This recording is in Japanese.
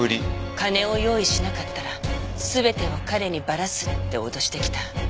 金を用意しなかったら全てを彼にバラすって脅してきた。